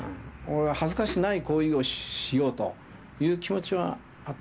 恥ずかしくない行為をしようという気持ちはあったと思います。